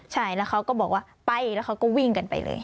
ใช่แล้วเขาก็บอกว่าไปแล้วเขาก็วิ่งกันไปเลย